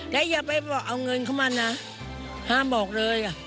แล้วอย่าไปบอกเอาเงินเข้ามานะห้ามบอกเลย